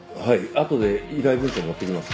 あとで依頼文書を持っていきます。